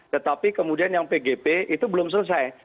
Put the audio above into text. tetapi kemudian yang pgp itu belum selesai